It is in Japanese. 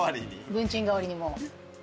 文鎮代わりにも。